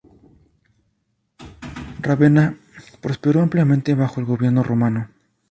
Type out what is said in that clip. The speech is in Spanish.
Rávena prosperó ampliamente bajo el gobierno romano.